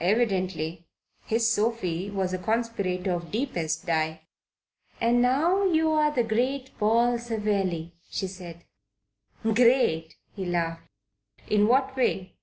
Evidently his Sophie was a conspirator of deepest dye. "And now you're the great Paul Savelli," she said. "Great?" He laughed. "In what way?"